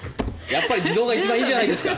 やっぱり自動が一番いいじゃないですか。